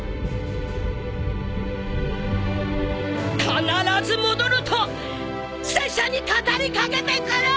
「必ず戻る」と拙者に語りかけてくる！